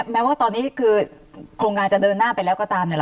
แม้ว่าตอนนี้คือโครงการจะเดินหน้าไปแล้วก็ตาม